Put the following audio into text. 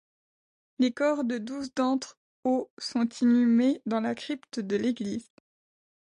Les corps de douze d'entre aux sont inhumés dans la crypte de l'église.